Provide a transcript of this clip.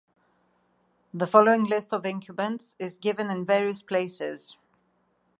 The following list of incumbents is given in various places.